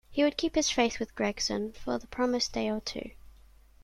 He would keep his faith with Gregson for the promised day or two.